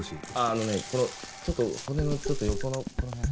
あのねこのちょっと骨のちょっと横のこの辺。